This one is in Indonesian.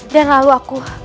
dan lalu aku